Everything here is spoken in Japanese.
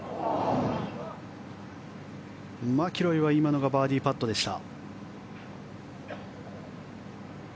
マキロイは今のがバーディーパットでした。